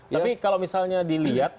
tapi kalau misalnya dilihat